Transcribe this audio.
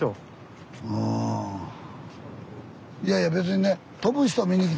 いやいや別にね